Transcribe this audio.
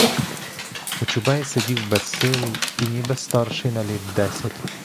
Кочубей сидів безсилий і ніби старший на літ десять.